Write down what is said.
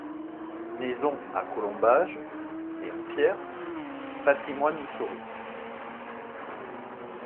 Maisons à colombages, et en pierre, patrimoine historique.